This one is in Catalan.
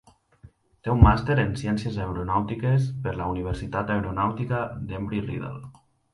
Té un màster en ciències aeronàutiques per la Universitat Aeronàutica d'Embry-Riddle.